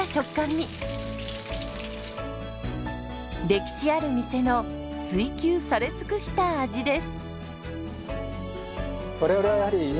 歴史ある店の追求され尽くした味です。